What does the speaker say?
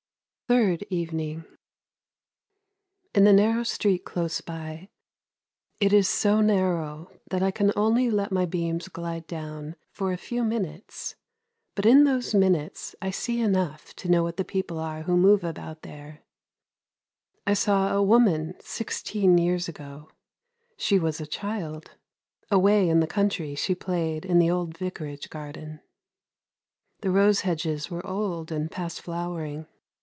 THIRD EVENING " In the narrow street close by — it is so narrow that I can only let my beams glide down for a few minutes, but in those minutes I see enough to know what the people are who move about there — I saw a woman sixteen years ago; she was a child; away in the country she played in the old vicarage garden. The rose hedges were old and past flowering.